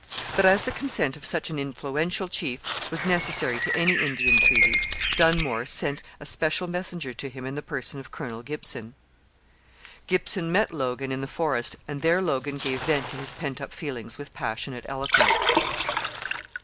But as the consent of such an influential chief was necessary to any Indian treaty, Dunmore sent a special messenger to him in the person of Colonel Gibson. Gibson met Logan in the forest, and there Logan gave vent to his pent up feelings with passionate eloquence.